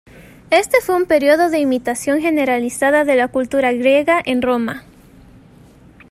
Este fue un período de imitación generalizada de la cultura griega en Roma.